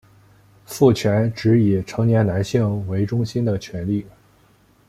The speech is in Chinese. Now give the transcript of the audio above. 父权指以成年男性为中心的权力。